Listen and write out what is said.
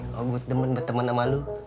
lo gut temen bertemen ama lu